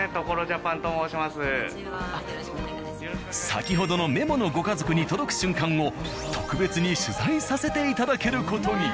先ほどのメモのご家族に届く瞬間を特別に取材させていただける事に。